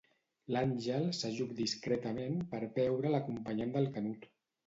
L'Àngel s'ajup discretament, per veure l'acompanyant del Canut.